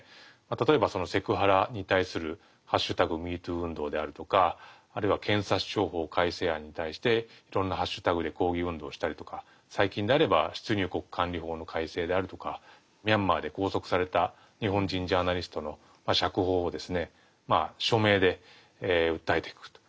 例えばセクハラに対する「＃ＭｅＴｏｏ運動」であるとかあるいは検察庁法改正案に対していろんなハッシュタグで抗議運動したりとか最近であれば出入国管理法の改正であるとかミャンマーで拘束された日本人ジャーナリストの釈放を署名で訴えていくと。